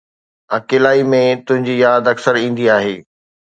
اڪيلائي ۾، تنهنجي ياد اڪثر ايندي آهي